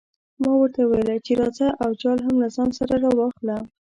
ما ورته وویل چې راځه او جال هم له ځان سره راواخله.